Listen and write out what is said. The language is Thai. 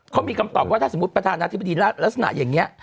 เขามีคำตอบว่าถ้าสมมุติประธานาธิบดีลักษณะอย่างนี้